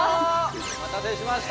お待たせしました！